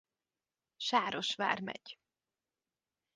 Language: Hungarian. Sáros Vármegy.